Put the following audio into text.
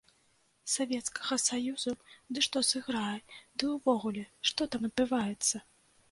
Савецкага саюзу ды што сыграе, ды ўвогуле, што там адбываецца.